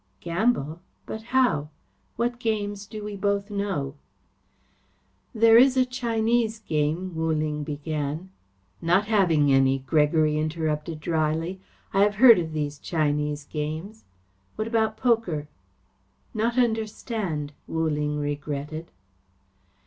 "Gamble! But how? What games do we both know?" "There is a Chinese game," Wu Ling began "Not having any," Gregory interrupted drily. "I have heard of these Chinese games. What about poker?" "Not understand," Wu Ling regretted.